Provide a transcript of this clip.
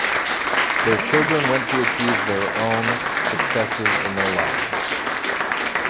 Their children went to achieve their own successes in their lives.